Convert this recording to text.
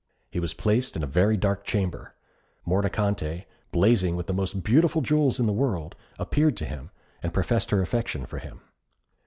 He was placed in a very dark chamber. Mordicante, blazing with the most beautiful jewels in the world, appeared to him, and professed her affection for him.